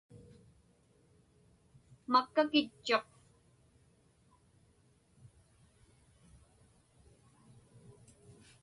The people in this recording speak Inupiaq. Makkakitchuq.